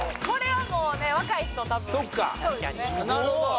これはもうね若い人多分。